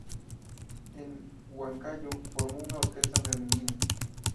En Huancayo, formó una orquesta femenina.